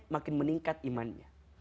makin meningkat imannya